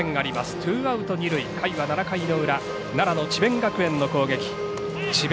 ツーアウト二塁回は７回裏、奈良智弁学園の攻撃智弁